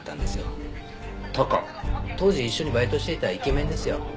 当時一緒にバイトをしていたイケメンですよ。